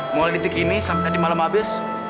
mulai di titik ini sampe tadi malam abis